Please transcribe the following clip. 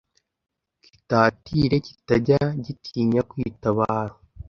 Kitatire kitajya gitinya kw’itabaro